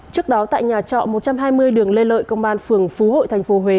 trước đó tại nhà trọ một trăm hai mươi đường lê lợi công an phường phú hội tp huế